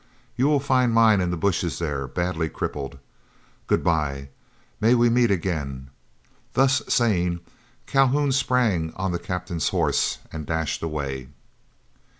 You will find mine in the bushes there badly crippled. Good bye. May we meet again." Thus saying, Calhoun sprang on the Captain's horse, and dashed away.